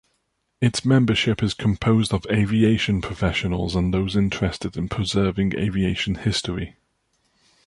Its membership is composed of aviation professionals and those interested in preserving aviation history.